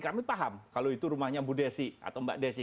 kami paham kalau itu rumahnya bu desi atau mbak desi